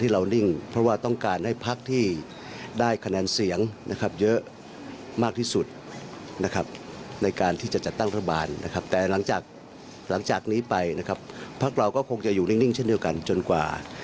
ลองฟังเสียงดูค่ะ